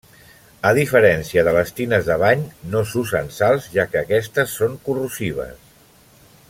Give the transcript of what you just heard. A diferència de les tines de bany, no s'usen sals, ja que aquestes són corrosives.